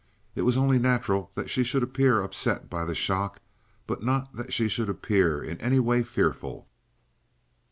It was only natural that she should appear upset by the shock, but not that she should appear in any way fearful.